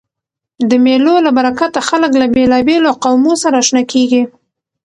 د مېلو له برکته خلک له بېلابېلو قومو سره آشنا کېږي.